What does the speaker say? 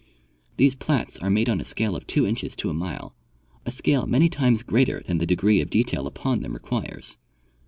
These plats are made on a scale of 2 inches to a mile, a scale many times greater than the degree of detail uj)on them requires.